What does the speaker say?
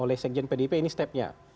oleh sekjen pdip ini step nya